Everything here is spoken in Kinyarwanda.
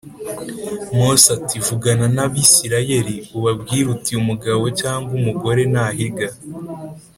Mose ati vugana n abisirayeli ubabwire uti umugabo cyangwa umugore nahiga